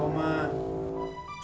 susah loh ya